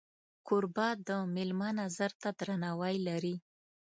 کوربه د میلمه نظر ته درناوی لري.